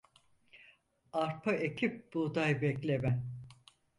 Arpa ekip buğday bekleme.